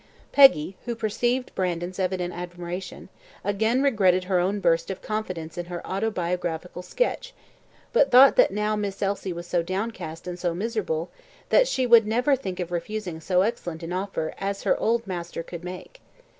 Peggy, who perceived Brandon's evident admiration, again regretted her own burst of confidence in her autobiographical sketch, but thought that now Miss Elsie was so downcast and so miserable, that she would never think of refusing so excellent an offer as her old master could make.